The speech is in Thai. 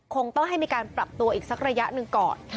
คงต้องให้มีการปรับตัวอีกสักระยะหนึ่งก่อน